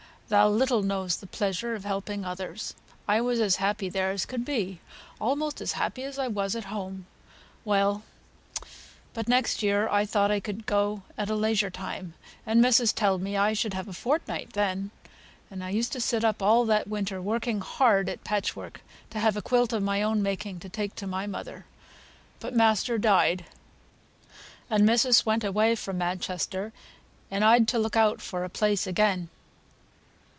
thou little knows the pleasure o' helping others; I was as happy there as could be; almost as happy as I was at home. Well, but next year I thought I could go at a leisure time, and missis telled me I should have a fortnight then, and I used to sit up all that winter working hard at patchwork, to have a quilt of my own making to take to my mother. But master died, and missis went away fra Manchester, and I'd to look out for a place again."